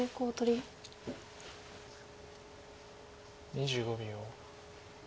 ２５秒。